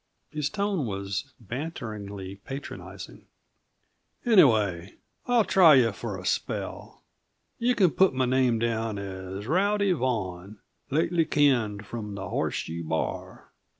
His tone was banteringly patronizing "Anyway, I'll try yuh for a spell. You can put my name down as Rowdy Vaughan, lately canned from the Horseshoe Bar."